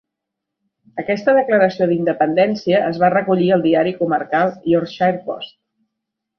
Aquesta declaració d'independència es va recollir al diari comarcal "Yorkshire Post".